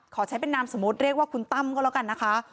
ขอใช้เป็นนามสมมุติเรียกว่าคุณตั้มก็แล้วกันนะคะ